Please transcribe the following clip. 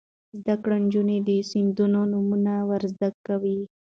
زده کړه نجونو ته د سیندونو نومونه ور زده کوي.